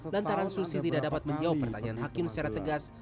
lantaran susi tidak dapat menjawab pertanyaan hakim secara tegas